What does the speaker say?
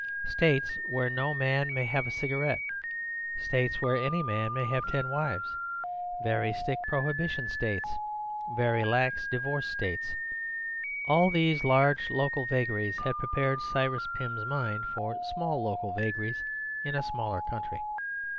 States where no man may have a cigarette, States where any man may have ten wives, very strict prohibition States, very lax divorce States—all these large local vagaries had prepared Cyrus Pym's mind for small local vagaries in a smaller country.